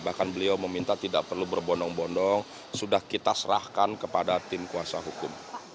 bahkan beliau meminta tidak perlu berbondong bondong sudah kita serahkan kepada tim kuasa hukum